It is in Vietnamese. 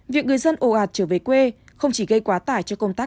việc người dân ồ ạt trở về quê không chỉ gây quá tải cho công tác